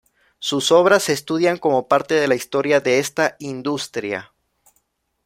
Sus obras se estudian como parte de la historia de esta industria.